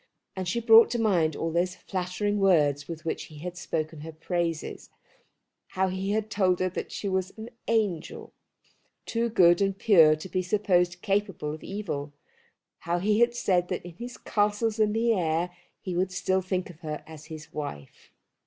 And she brought to mind all those flattering words with which he had spoken her praises, how he had told her that she was an angel, too good and pure to be supposed capable of evil; how he had said that in his castles in the air he would still think of her as his wife.